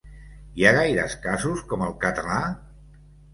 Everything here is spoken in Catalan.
Hi ha gaires casos com el català?